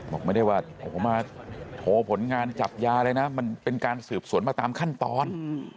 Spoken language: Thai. บอกไม่ได้ว่าโหผลงานจับยาเลยนะมันเป็นการสืบสวนมาตามขั้นตอน